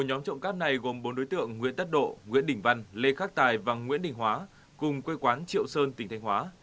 nhóm trộm cắp này gồm bốn đối tượng nguyễn tất độ nguyễn đình văn lê khắc tài và nguyễn đình hóa cùng quê quán triệu sơn tỉnh thanh hóa